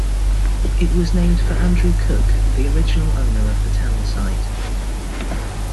It was named for Andrew Cook, the original owner of the town site.